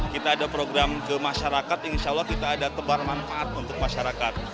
kita ada program ke masyarakat insya allah kita ada tebar manfaat untuk masyarakat